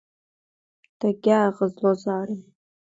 Дагьааӷызлозаарын.